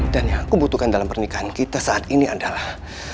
dan yang aku butuhkan dalam pernikahan kita saat ini adalah